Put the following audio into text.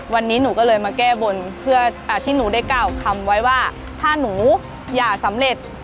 วันนี้หนูก็เลยมาแก้บนเพื่อที่หนูได้กล่าวคำไว้ว่าถ้าหนูอย่าสำเร็จ